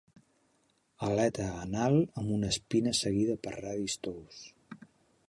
Aleta anal amb una espina seguida per radis tous.